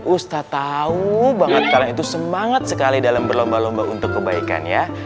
ustadz tahu banget kalian itu semangat sekali dalam berlomba lomba untuk kebaikan ya